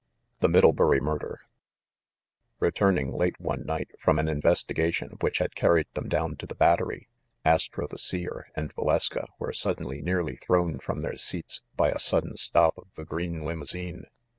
THE MIDDLEBURY MURDER RETURNING, late one night, from an investiga tion which had carried them down to the Battery, Astro the Seer and Valeska were suddenly nearly thrown from their seats by a sudden stop of the green limousine.